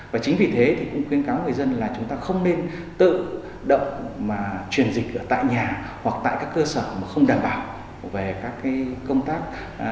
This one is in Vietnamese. và chính vì thế thì cũng khuyến cáo người dân là chúng ta không nên tự động mà truyền dịch ở tại nhà hoặc tại các cơ sở mà không đảm bảo về các công tác